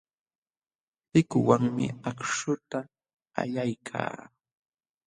Pikuwanmi akśhuta allaykaa.